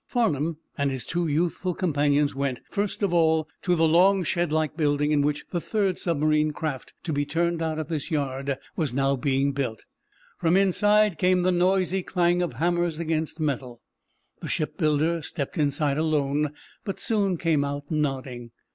Farnum and his two youthful companions went, first of all, to the long, shed like building in which the third submarine craft to be turned out at this yard was now being built. From inside came the noisy clang of hammers against metal. The shipbuilder stepped inside alone, but soon came out, nodding.